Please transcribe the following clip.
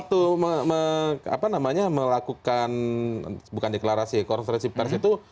tapi waktu melakukan bukan deklarasi konfesipi pers itu